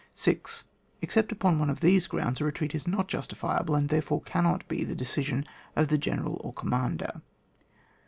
6. Except upon one of these grounds a retreat is not justifiable, and, therefore, cannot be the decision of the general or commander.